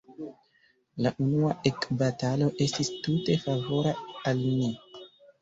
La unua ekbatalo estis tute favora al ni.